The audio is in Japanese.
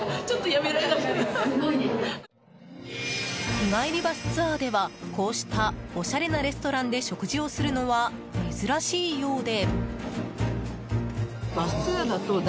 日帰りバスツアーではこうしたおしゃれなレストランで食事をするのは珍しいようで。